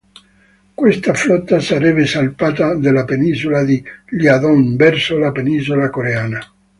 Questa flotta sarebbe salpata dalla penisola di Liaodong verso la penisola coreana.